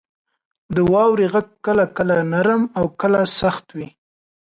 • د واورې غږ کله کله نرم او کله سخت وي.